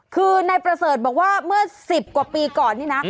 คือนายประเสริฐบอกว่าเมื่อ๑๐กว่าปีก่อนนี่นะ